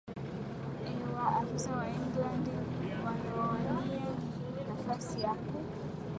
e wa afisa wa england wanaowania nafasi ya ku